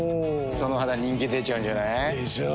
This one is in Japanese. その肌人気出ちゃうんじゃない？でしょう。